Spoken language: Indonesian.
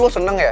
lo seneng ya